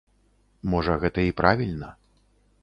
Можа гэта і правільна.